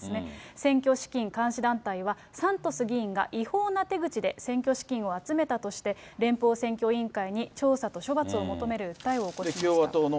選挙資金監視団体は、サントス議員が違法な手口で選挙資金を集めたとして、連邦選挙委員会に調査と処罰を求める訴えを起こしました。